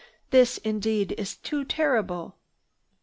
This indeed is too terrible!"